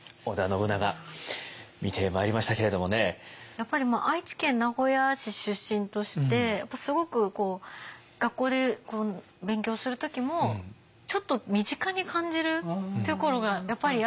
やっぱり愛知県名古屋市出身としてすごく学校で勉強する時もちょっと身近に感じるところがやっぱりあって。